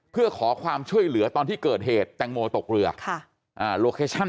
เพื่อขอความช่วยเหลือตอนที่เกิดเหตุแตงโมตกเรือโลเคชั่น